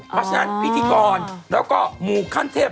เพราะฉะนั้นพิธีกรแล้วก็หมู่ขั้นเทพ